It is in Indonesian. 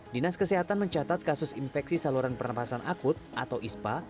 dinas kesehatan mencatat kasus infeksi saluran pernafasan akut atau ispa